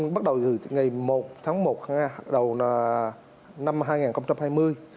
bắt đầu từ ngày một tháng một đầu năm hai nghìn hai mươi